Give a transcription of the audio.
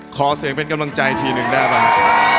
ขอเสียงเป็นกำลังใจทีนึงได้ไหม